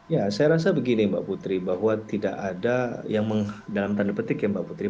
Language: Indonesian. ya saya rasa begini mbak putri bahwa tidak ada yang dalam tanda petik ya mbak putri